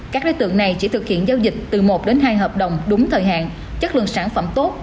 các đối tượng này chỉ thực hiện giao dịch từ một đến hai hợp đồng đúng thời hạn chất lượng sản phẩm tốt